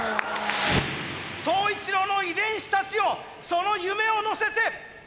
宗一郎の遺伝子たちよその夢を乗せて。